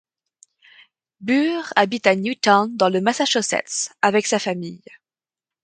Burr habite à Newton dans le Massachusetts avec sa famille.